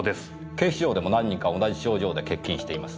警視庁でも何人か同じ症状で欠勤しています。